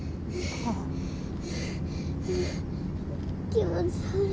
気持ち悪い。